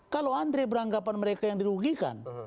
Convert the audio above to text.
kalau andre beranggapan mereka yang dirugikan